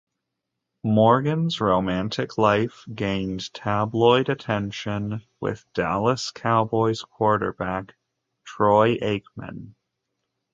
Morgan's romantic life gained tabloid attention with Dallas Cowboys quarterback Troy Aikman.